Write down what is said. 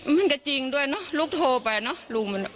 มันก็จริงด้วยเนอะลูกโทรไปเนอะลุงมัน